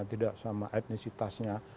tidak sama etnisitasnya